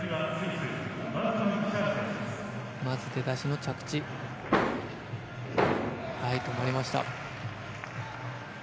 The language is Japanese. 出だしの着地止まりました。